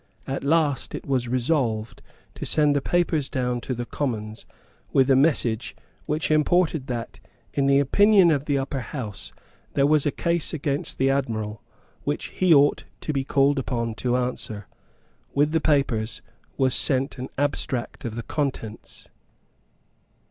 At last it was resolved to send the papers down to the Commons with a message which imported that, in the opinion of the Upper House, there was a case against the Admiral which he ought to be called upon to answer. With the papers was sent an abstract of the contents.